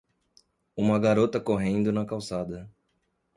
Uma garota correndo na calçada.